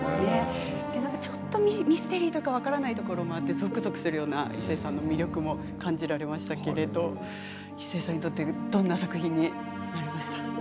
ちょっとミステリーとか分からないところもあってぞくぞくするような一生さんの魅力も感じられましたけれども一生さんにとってどんな作品になりました？